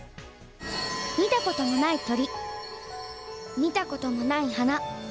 見たことのない鳥見たこともない花。